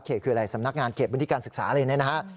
เขตคืออะไรสำนักงานเขตบุญธิการศึกษาเลยนะครับ